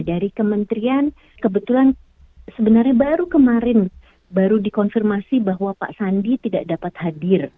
dari kementerian kebetulan sebenarnya baru kemarin baru dikonfirmasi bahwa pak sandi tidak dapat hadir